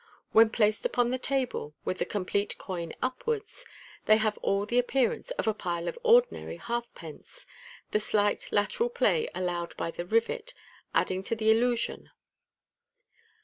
When placed upon the table, with the complete coin upwards, they have all the appearance of a pile of ordinary half pence, the slight lateral play allowed by the rivet aiding the illusion.